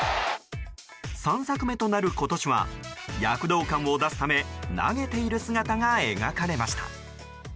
３作目となる今年は躍動感を出すため投げている姿が描かれました。